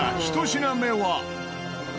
１品目は。